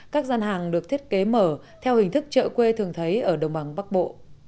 các gian hàng được thiết kế mở theo hình thức chợ quê thường thấy ở đồng bằng bắc bộ